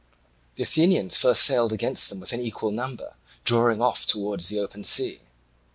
The Athenians first sailed against them with an equal number, drawing off towards the open sea.